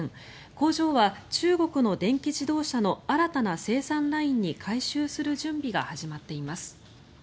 工場は中国の電気自動車の新たな生産ラインに改修する準備が始まっています。